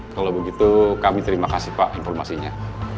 kalau begitu kami terima kasih pak informasinya